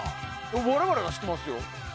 我々は知ってますよ。